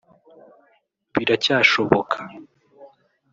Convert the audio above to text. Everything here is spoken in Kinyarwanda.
biracyashoboka